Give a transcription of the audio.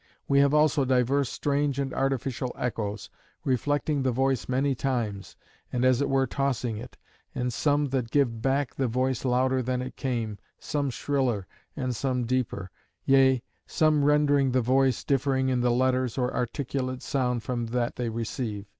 We have also divers strange and artificial echoes, reflecting the voice many times, and as it were tossing it: and some that give back the voice louder than it came, some shriller, and some deeper; yea, some rendering the voice differing in the letters or articulate sound from that they receive.